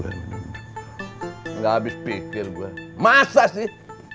gak abis pikir gue masa sih